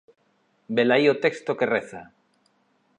Velaí o texto que reza: